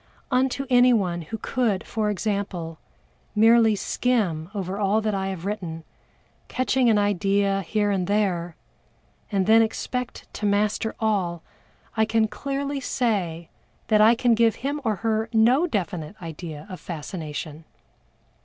Unto anyone who could, for example, merely skim over all that I have written, catching an idea here and there, and then expect to master all, I can clearly say that I can give him or her no definite idea of fascination.